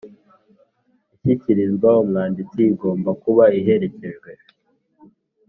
Ishyikirizwa umwanditsi igomba kuba iherekejwe